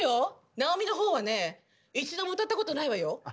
直美のほうはね一度も歌ったことないわよ。